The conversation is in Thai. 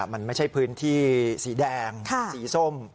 มันไม่ใช่พื้นที่สีแดงสีส้ม